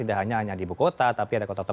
tidak hanya di ibu kota tapi ada kota kota